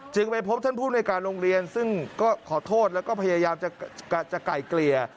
ไปพบท่านผู้ในการโรงเรียนซึ่งก็ขอโทษแล้วก็พยายามจะไกลเกลี่ย